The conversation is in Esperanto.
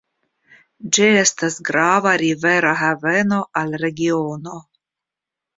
Ĝi estas grava rivera haveno al regiono.